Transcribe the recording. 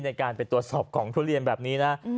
ในการไปตรวจสอบของทุเรียนแบบนี้นะ